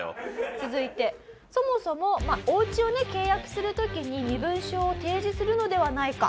続いてそもそもまあおうちをね契約する時に身分証を提示するのではないか？